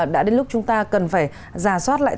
đã đến lúc chúng ta cần phải giả soát lại